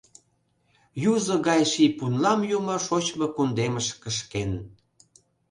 Юзо гай ший пунлам Юмо шочмо кундемыш кышкен.